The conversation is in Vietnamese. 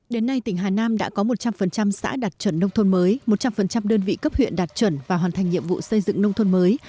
đến nay tỉnh hà nam đã có một trăm linh xã đạt chuẩn nông thôn mới một trăm linh đơn vị cấp huyện đạt chuẩn và hoàn thành nhiệm vụ xây dựng nông thôn mới